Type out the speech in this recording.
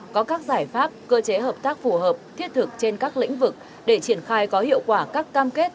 có các giải pháp cơ chế hợp tác phù hợp thiết thực trên các lĩnh vực để triển khai có hiệu quả các cam kết